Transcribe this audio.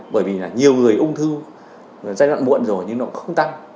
bởi vì là nhiều người ung thư giai đoạn muộn rồi nhưng nó cũng không tăng